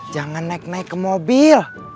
jangan naik naik ke mobil